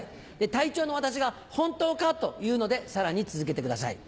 隊長の私が「本当か？」と言うのでさらに続けてください。